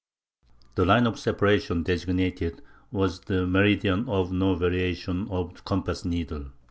The line of separation designated was the meridian of no variation of the compass needle.